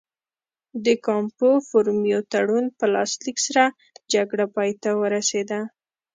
د کامپو فورمیو تړون په لاسلیک سره جګړه پای ته ورسېده.